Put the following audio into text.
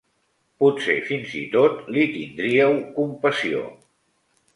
Potser fins i tot li tindríeu compassió.